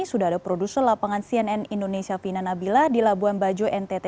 sudah ada produser lapangan cnn indonesia vina nabila di labuan bajo ntt